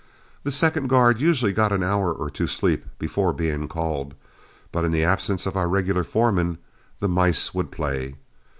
The second guard usually got an hour or two of sleep before being called, but in the absence of our regular foreman, the mice would play.